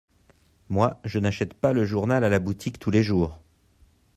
Moi, je n'achète pas le journal à la boutique tous les jours.